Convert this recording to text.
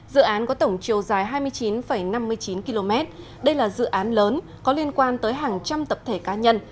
dự án có tổng chiều dài hai mươi chín năm mươi chín km đây là dự án lớn có liên quan tới hàng trăm tập thể cá nhân